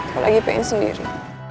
kalo lagi pengen sendiri